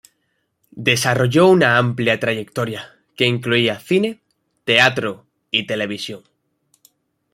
Desarrolló una amplia trayectoria que incluía cine, teatro y televisión.